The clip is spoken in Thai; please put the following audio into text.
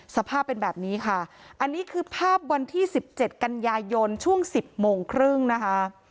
สภาพเป็นแบบนี้ค่ะอันนี้คือภาพวันที่๑๗กันยายนช่วง๑๐โมงครึ่งนะคะ